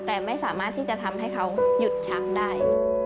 แต่ไม่สามารถที่จะทำให้เขาหยุดช้ำได้